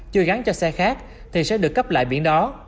chưa gắn cho xe khác thì sẽ được cấp lại biển đó